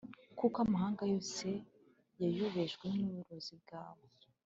kuko amahanga yose yayobejwe n’uburozi bwawe.